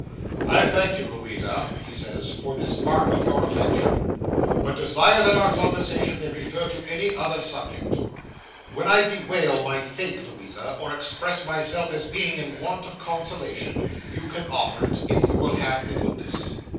"I thank you, Louisa," he says, "for this mark of your affection; but desire that our conversation may refer to any other subject. When I bewail my fate, Louisa, or express myself as being in want of consolation, you can offer it, if you will have the goodness."